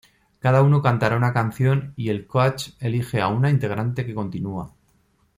Cada uno cantará una canción y el Coach elige a un integrante que continua.